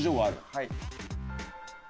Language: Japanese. はい。